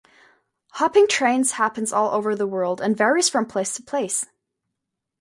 Hopping trains happens all over the world and varies from place to place.